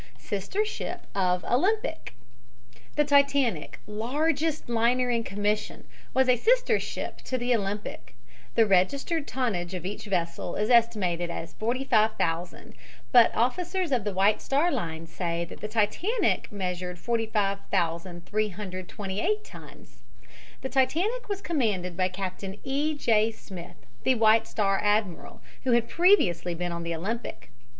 SISTER SHIP OF OLYMPIC The Titanic, largest liner in commission, was a sister ship of the Olympic. The registered tonnage of each vessel is estimated as 45,000, but officers of the White Star Line say that the Titanic measured 45,328 tons. The Titanic was commanded by Captain E. J. Smith, the White Star admiral, who had previously been on the Olympic.